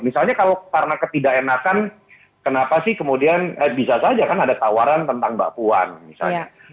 misalnya kalau karena ketidak enakan kenapa sih kemudian bisa saja kan ada tawaran tentang bapuan misalnya